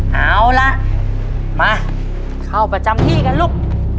เอาล่ะมาเข้าประจำที่กันลูก